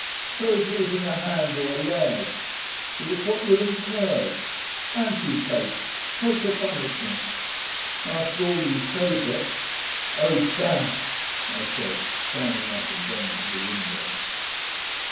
So is losing a hand or a leg. But it's what you've incurred. Amputate. Take your punishment After all, you chose it." "Oh, damn!" I said, standing up and going to the window.